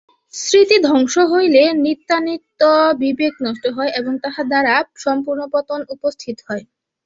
স্মৃতিধ্বংস হইলে নিত্যানিত্য-বিবেক নষ্ট হয় এবং তাহা দ্বারা সম্পূর্ণ পতন উপস্থিত হয়।